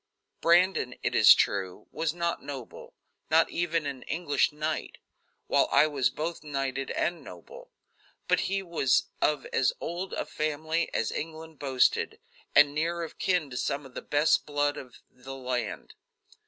Brandon, it is true, was not noble; not even an English knight, while I was both knighted and noble; but he was of as old a family as England boasted, and near of kin to some of the best blood of the land.